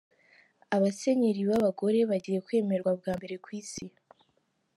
Abasenyeri b’abagore bagiye kwemerwa bwambere ku isi